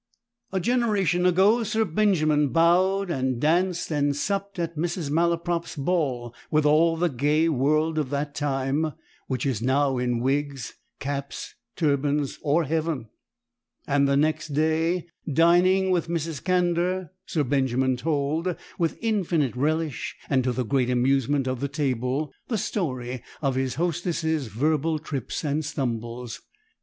A generation ago Sir Benjamin bowed and danced and supped at Mrs. Malaprop's ball with all the gay world of that time, which is now in wigs, caps, turbans, or heaven; and the next day, dining with Mrs. Candour, Sir Benjamin told, with infinite relish and to the great amusement of the table, the story of his hostess's verbal trips and stumbles.